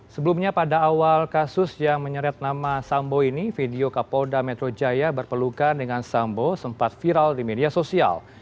sebelumnya pada awal kasus yang menyeret nama sambo ini video kapolda metro jaya berpelukan dengan sambo sempat viral di media sosial